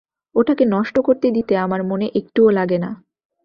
ওটাকে নষ্ট করতে দিতে তোমার মনে একটুও লাগে না!